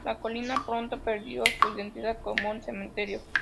La colina pronto perdió su identidad como un cementerio.